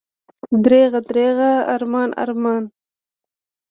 دریغه، دریغه، ارمان، ارمان!